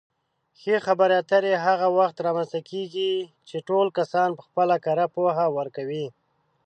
ښې خبرې اترې هغه وخت رامنځته کېږي چې ټول کسان پخپله کره پوهه ورکوي.